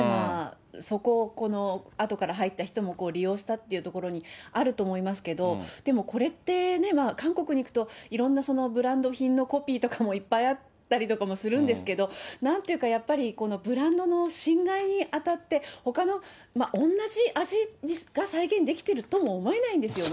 そこをこのあとから入った人も利用したっていうところにあると思いますけれども、でもこれって、韓国に行くといろんなブランド品のコピーとかもいっぱいあったりとかもするんですけど、なんていうかやっぱり、ブランドの侵害にあたって、ほかの、おんなじ味が再現できてるとも思えないんですよね。